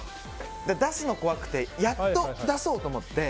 出すのが怖くてやっと、出そうと思って。